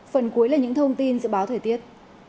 phần cuối là những thông tin dự báo thời tiết